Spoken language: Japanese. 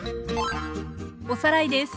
おさらいです。